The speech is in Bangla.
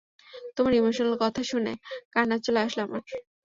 তোমার ইমোশনাল কথা শুনে কান্না চলে আসলো আমার।